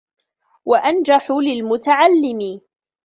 وَأَنْجَحُ لِلْمُتَعَلِّمِ